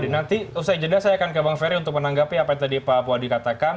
nanti usai jeda saya akan ke bang ferry untuk menanggapi apa yang tadi pak puadi katakan